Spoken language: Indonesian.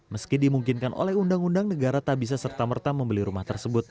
meski dimungkinkan oleh undang undang negara tak bisa serta merta membeli rumah tersebut